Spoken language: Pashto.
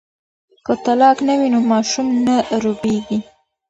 که طلاق نه وي نو ماشوم نه روبیږي.